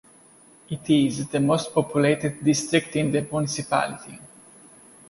It is the most populated district in the municipality.